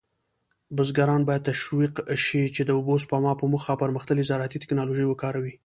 بزګران باید تشویق شي چې د اوبو سپما په موخه پرمختللې زراعتي تکنالوژي وکاروي.